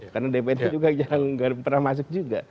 karena dpr nya juga jarang pernah masuk juga